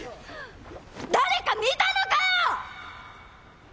誰か見たのかよ！